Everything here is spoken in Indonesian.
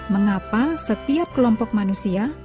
mengapa setiap kelompok manusia